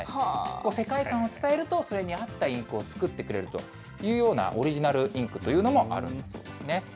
世界観を伝えると、それに合ったインクを作ってくれるというような、オリジナルインクというのもあるみたいですね。